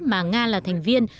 mà nga là thành phố